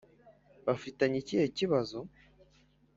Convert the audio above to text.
bafitanye ikihe kibazo?